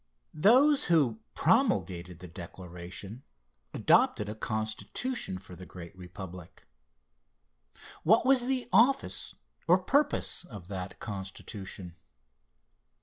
Those who promulgated the Declaration adopted a Constitution for the great Republic. What was the office or purpose of that Constitution?